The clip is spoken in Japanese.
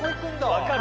分かる！